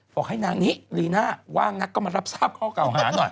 บอกให้นางนี้รีน่าว่างนักก็มารับทราบข้อเก่าหาหน่อย